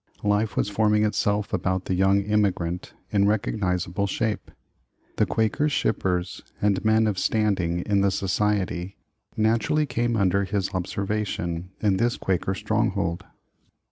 Life was form ing itself about the young immigrant in rec ognizable shape. The Quaker shippers and men of standing in the Society, naturally came under his ob servation in this Quaker stronghold.